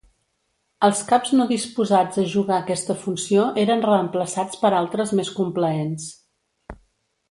Els caps no disposats a jugar aquesta funció eren reemplaçats per altres més complaents.